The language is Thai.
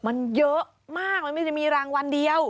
มันเยอะมากมันไม่ได้มีรางวัลเดียว